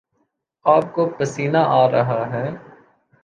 آپ کو پسینہ آرہا ہے